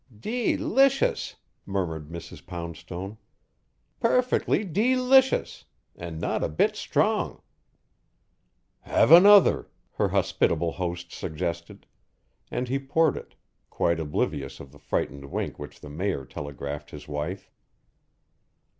"Dee licious," murmured Mrs. Poundstone. "Perfectly dee licious. And not a bit strong!" "Have another," her hospitable host suggested, and he poured it, quite oblivious of the frightened wink which the mayor telegraphed his wife.